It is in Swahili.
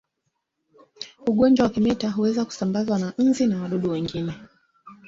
Ugonjwa wa kimeta huweza kusambazwa na nzi na wadudu wengine